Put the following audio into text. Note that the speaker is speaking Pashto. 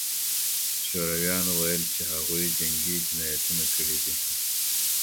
شورویانو ویل چې هغوی جنګي جنایتونه کړي دي